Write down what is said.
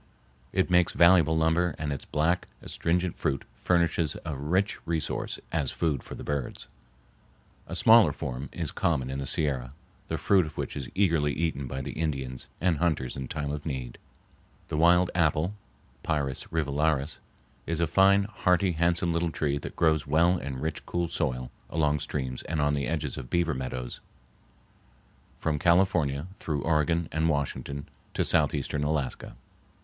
It makes valuable lumber and its black, astringent fruit furnishes a rich resource as food for the birds. A smaller form is common in the Sierra, the fruit of which is eagerly eaten by the Indians and hunters in time of need. The wild apple (Pyrus rivularis) is a fine, hearty, handsome little tree that grows well in rich, cool soil along streams and on the edges of beaver meadows from California through Oregon and Washington to southeastern Alaska.